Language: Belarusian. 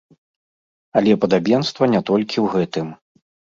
Але падабенства не толькі ў гэтым.